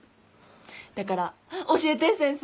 だから教えて先生。